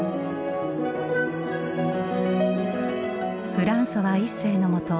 フランソワ一世のもと